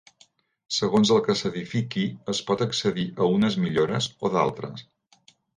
Segons el que s'edifiqui, es pot accedir a unes millores o d'altres.